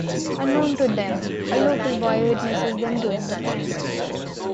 Unknown to them, a local boy witnesses them doing the crime.